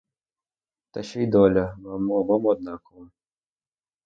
Та ще й доля вам обом однакова.